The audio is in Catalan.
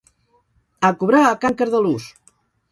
A cobrar a can Cardelús!